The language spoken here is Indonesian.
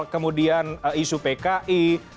kemudian isu pki